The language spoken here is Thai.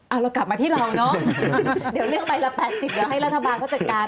เอาเรากลับมาที่เราเนอะเดี๋ยวเรื่องใบละ๘๐เดี๋ยวให้รัฐบาลเขาจัดการ